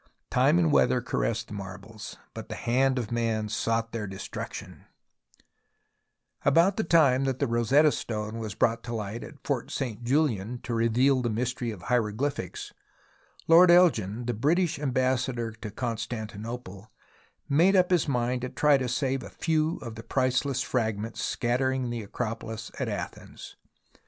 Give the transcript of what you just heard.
Time and weather caressed the marbles, but the hand of man sought their destruction. 12 178 THE ROMANCE OF EXCAVATION About the time that the Rosetta Stone was brought to hght at Fort St. Juhan to reveal the mystery of hieroglyphics, Lord Elgin, the British Ambassador to Constantinople, made up his mind to try to save a few of the priceless fragments scattering the Acropolis at Athens.